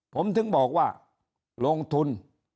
ผมถึงบอกว่าลงทุน